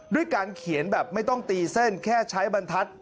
ด้วยการเขียนแบบไม่ต้องตีเส้นแค่ใช้บรรทัศน์